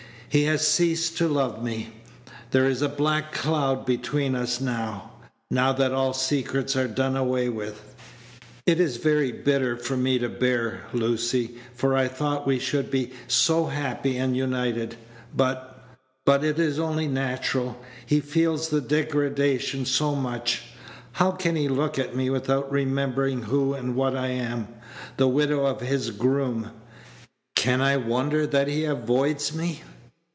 "He has ceased to love me. There is a black cloud between us now, now that all secrets are done away with. It is very bitter for me to bear, Lucy, for I thought we should be so happy and united. But but it is only natural. He feels the degradation so much. How can he look at me without remembering who and what I am? The widow of his groom! Can I wonder that he avoids me?"